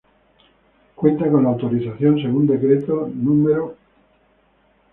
Cuenta con la autorización, según decreto No.